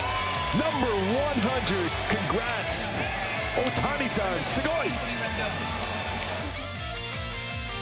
大谷さん、すごい！